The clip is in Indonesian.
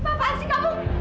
apaan sih kamu